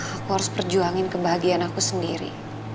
aku harus perjuangin kebahagiaan aku sendiri